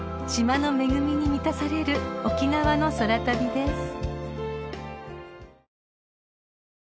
［島の恵みに満たされる沖縄の空旅です］